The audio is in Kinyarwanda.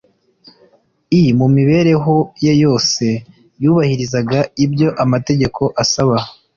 i mu mibereho ye yose yubahirizaga ibyo amategeko asaba.